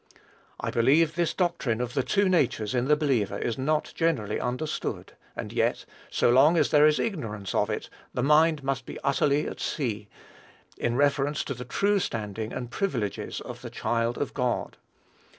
I believe this doctrine of the two natures in the believer is not generally understood; and yet, so long as there is ignorance of it, the mind must be utterly at sea, in reference to the true standing and privileges of the child of God.